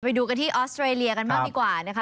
ไปดูกันที่ออสเตรเลียกันบ้างดีกว่านะคะ